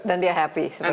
dan dia happy